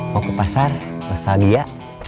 mau ke pasar pas tagi ya